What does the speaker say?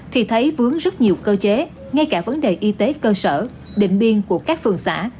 thì thấy vướng rất nhiều cơ chế ngay cả vấn đề y tế cơ sở định biên của các phường xã